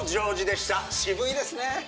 渋いですね